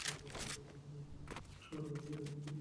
তার বিমানকে নামায় পাকিস্তান।